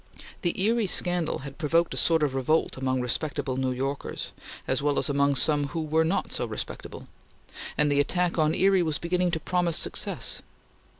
The Erie scandal had provoked a sort of revolt among respectable New Yorkers, as well as among some who were not so respectable; and the attack on Erie was beginning to promise success.